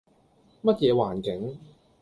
乜嘢環境